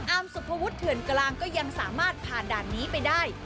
สุภวุฒิเถื่อนกลางก็ยังสามารถผ่านด่านนี้ไปได้